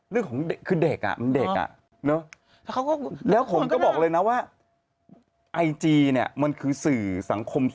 เรื่องของเด็กคือเด็กอ่ะมันเด็กอ่ะเนอะแล้วผมก็บอกเลยนะว่าไอจีเนี่ยมันคือสื่อสังคม